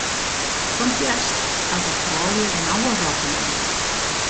Fan 't hjerst hawwe froulju nauwe rokken oan.